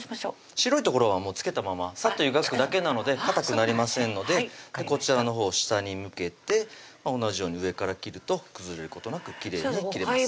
白い所はもう付けたままサッと湯がくだけなのでかたくなりませんのでこちらのほうを下に向けて同じように上から切ると崩れることなくきれいに切れます